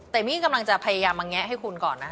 แต่มี่กำลังจะพยายามมาแงะให้คุณก่อนนะ